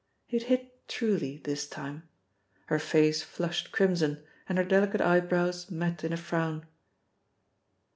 He had hit truly this time. Her face flushed crimson and her delicate eyebrows met in a frown.